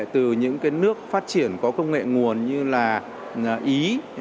từ những nước phát triển có công nghệ nguồn như là ý